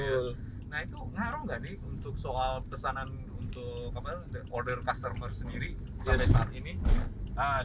nah itu ngaruh nggak nih untuk soal pesanan untuk order customer sendiri sampai saat ini